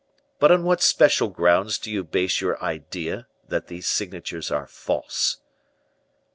But on what special grounds do you base your idea that these signatures are false?"